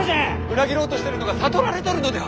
裏切ろうとしてるのが悟られとるのでは？